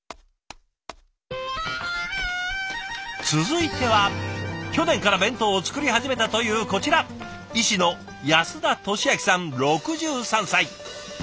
続いては去年から弁当を作り始めたというこちら医師の安田敏明さん６３歳。